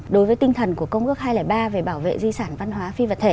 đối với tinh thần của công ước hai trăm linh ba về bảo vệ di sản văn hóa phi vật thể